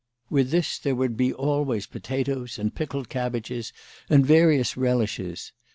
With this there would be always potatoes and pickled cabbages and various relishes.